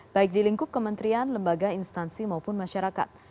baik di lingkup kementerian lembaga instansi maupun masyarakat